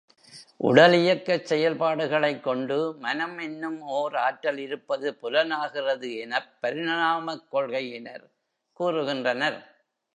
உடல் இயக்கச் செயல்பாடுகளைக் கொண்டு, மனம் என்னும் ஓர் ஆற்றல் இருப்பது புலனாகிறது எனப் பரிணாமக் கொள்கையினர் கூறுகின்றனர்.